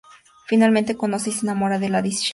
Finalmente conoce y se enamora de Lady Shiva.